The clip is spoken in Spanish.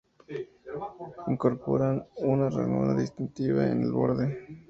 Incorporan una ranura distintiva en el borde.